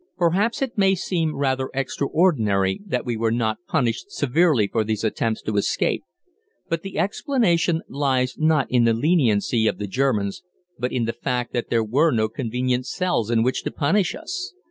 Perhaps it may seem rather extraordinary that we were not punished severely for these attempts to escape, but the explanation lies not in the leniency of the German but in the fact that there were no convenient cells in which to punish us.